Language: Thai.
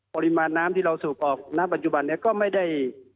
ปริมาณน้ำที่เราสูบออกณปัจจุบันนี้ก็ไม่ได้